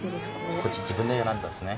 こっち自分で選んだんですね